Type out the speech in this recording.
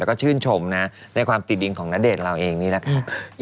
แล้วก็ชื่นชมนะในความติดดินของณเดชน์เราเองนี่แหละค่ะ